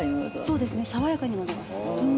そうですね、爽やかに惑わす。